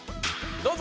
どうぞ。